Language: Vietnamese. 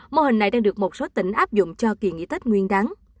mô hình này đang được một số tỉnh áp dụng cho kỳ nghỉ tết nguyên đáng